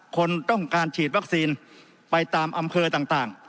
คนต้องการฉีดวัคซีนไปตามอำเภอต่าง